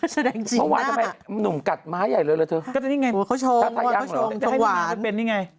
แสดงจริงน่ะมัดตามมันหนุ่มกัดม้าใหญ่เลยละเถอะตัวเขาชงตัวหวานก็จะเป็นนี่ไง